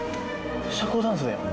社交ダンス？